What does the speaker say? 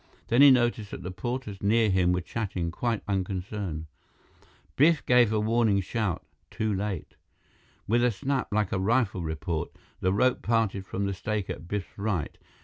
Then he noticed that the porters near him were chatting, quite unconcerned. Biff gave a warning shout, too late. With a snap like a rifle report, the rope parted from the stake at Biff's right.